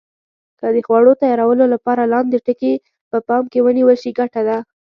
که د خوړو تیارولو لپاره لاندې ټکي په پام کې ونیول شي ګټه ده.